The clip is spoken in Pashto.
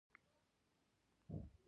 دوى دښمني ته بدي وايي.